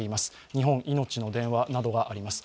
日本いのちの電話などがあります。